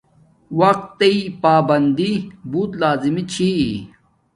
وقت تݵ پابندی بوت لازمی چھی